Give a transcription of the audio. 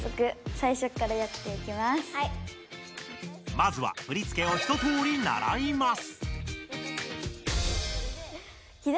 まずは振付を一とおりならいます。